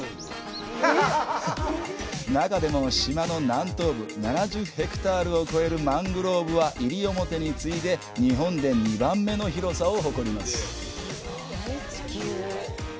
中でも島の南東部、７０ヘクタールを超えるマングローブは、西表に次いで日本で２番目の広さを誇ります。